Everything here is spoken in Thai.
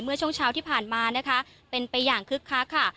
เมื่อช่วงเช้าที่ผ่านมานะคะเป็นไปอย่างคึกคักค่ะ